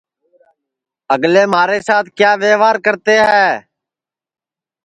اگلے مہارے سات کیا وئوار کرتے ہے